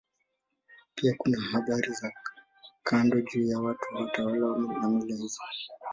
Pia kuna habari za kando juu ya watu, watawala na mila zao.